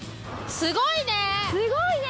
すごいね！